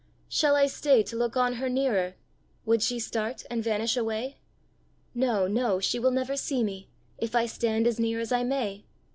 Shall I stay to look on her nearer? Would she start and vanish away? No, no; she will never see me, If I stand as near as I may!